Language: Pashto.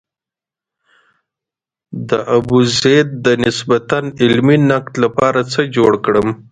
د ابوزید د نسبتاً علمي نقد لپاره څه جوړ کړم.